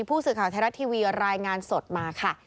ผู้สื่อข่าวไทยรัฐทีวีรายงานสดมาค่ะ